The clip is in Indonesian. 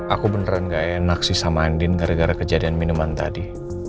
aku beneran gak enak sih sama andi gara gara kejadian minuman tadi